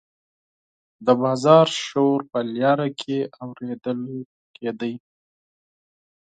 د بازار شور په لاره کې اوریدل کیده.